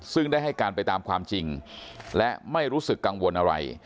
ซึ่งได้ให้การไปตามความจริงและไม่รู้สึกกังวลอะไร